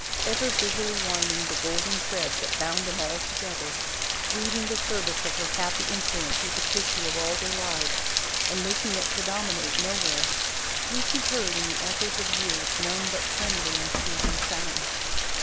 Ever busily winding the golden thread that bound them all together, weaving the service of her happy influence through the tissue of all their lives, and making it predominate nowhere, Lucie heard in the echoes of years none but friendly and soothing sounds.